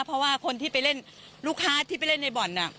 เพราะว่าคนที่ไปเล่นลูกค้าที่ไปเล่นในบ่อน